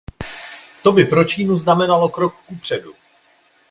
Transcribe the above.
To by pro Čínu znamenalo krok kupředu.